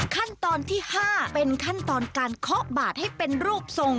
ขั้นตอนที่๕เป็นขั้นตอนการเคาะบาดให้เป็นรูปทรง